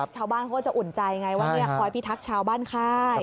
ชาวบ้านเขาก็จะอุ่นใจไงว่าคอยพิทักษ์ชาวบ้านค่าย